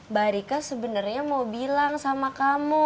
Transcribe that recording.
mbak rika sebenarnya mau bilang sama kamu